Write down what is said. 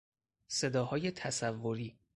صداهای تصوری